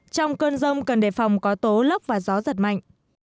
trong cơn rông cần đề phòng có tố lốc và gió giật mạnh